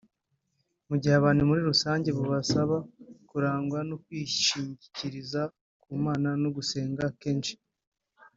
mu gihe abantu muri rusange bubasaba kurangwa no kwishingikiriza ku mana no gusenga kenshi